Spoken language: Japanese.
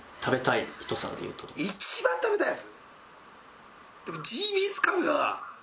一番食べたいやつ。